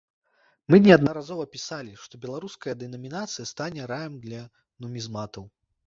Мы неаднаразова пісалі, што беларуская дэнамінацыя стане раем для нумізматаў.